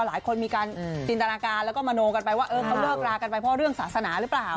หลายคนมีการจินตนาการแล้วก็มโนกันไปว่าเออเขาเลิกรากันไปเพราะเรื่องศาสนาหรือเปล่า